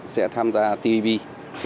sẽ tham gia tpp